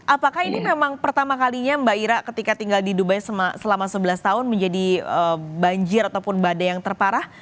apakah ini memang pertama kalinya mbak ira ketika tinggal di dubai selama sebelas tahun menjadi banjir ataupun badai yang terparah